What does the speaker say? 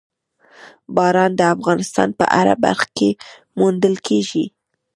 باران د افغانستان په هره برخه کې موندل کېږي.